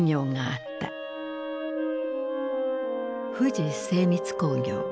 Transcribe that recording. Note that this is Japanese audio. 富士精密工業。